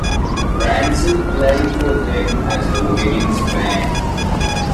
Rancid played for them as the wedding's band.